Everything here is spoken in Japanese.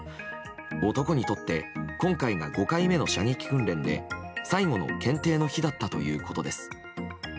男にとって今回が５回目の射撃訓練で最後の検定の日だったということです。